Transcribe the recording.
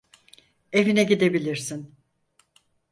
Evine gidebilirsin.